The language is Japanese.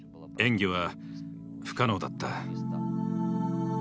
演技は不可能だった。